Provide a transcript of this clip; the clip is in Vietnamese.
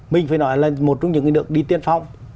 mình phải nói là một trong những nước đi tiên phong